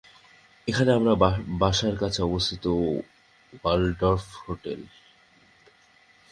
এখানে আমার বাসার কাছে অবস্থিত ওয়ালডর্ফ হোটেল।